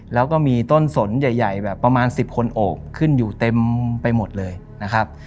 แล้วก็มีต้นสนใหญ่แบบประมาณ๑๐คนโอ่งขึ้นอยู่เต็มไปหมดเลยนะครับ